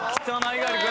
猪狩君。